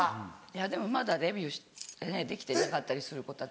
いやでもまだデビューできてなかったりする子たちだから。